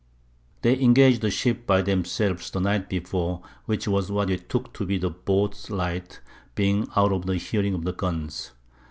They engag'd the Ship by themselves the Night before, which was what we took to be the Boats Lights, being out of the hearing of the Guns.